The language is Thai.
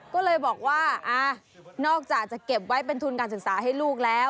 ก็เลยบอกว่านอกจากจะเก็บไว้เป็นทุนการศึกษาให้ลูกแล้ว